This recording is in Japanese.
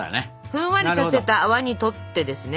ふんわりさせた泡にとってですね